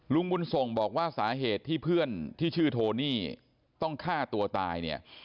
ลุงบุญส่งบอกว่าสาเหตุที่เพื่อนที่ชื่อโทนี่ต้องฆ่าตัวตายเนี่ย